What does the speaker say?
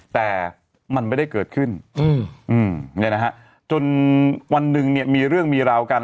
แต่มันไม่ได้เกิดขึ้นจนวันหนึ่งเนี่ยมีเรื่องมีราวกัน